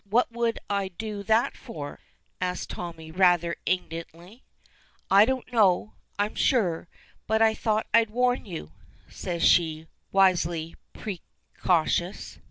"What would I do that for?" asks Tommy, rather indignantly. "I don't know, I'm sure. But I thought I'd warn you," says she, wisely precautious.